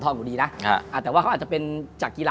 ที่ผ่านมาที่มันถูกบอกว่าเป็นกีฬาพื้นบ้านเนี่ย